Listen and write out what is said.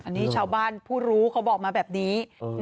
อันนี้ชาวบ้านผู้รู้เขาบอกมาแบบนี้